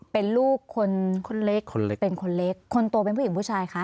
เป็นลูกคนคนเล็กคนเล็กเป็นคนเล็กคนโตเป็นผู้หญิงผู้ชายคะ